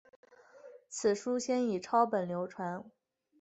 此书先以抄本流传。